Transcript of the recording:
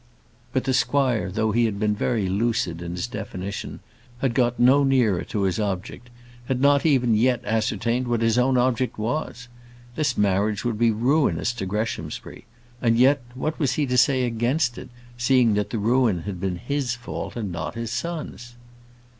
But the squire, though he had been very lucid in his definition, had got no nearer to his object; had not even yet ascertained what his own object was. This marriage would be ruinous to Greshamsbury; and yet, what was he to say against it, seeing that the ruin had been his fault, and not his son's?